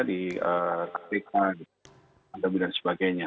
di rakyat pandemi dan sebagainya